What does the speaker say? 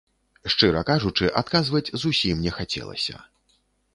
Шчыра кажучы, адказваць зусім не хацелася.